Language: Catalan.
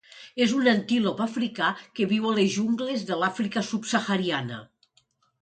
És un antílop africà que viu a les jungles de l'Àfrica subsahariana.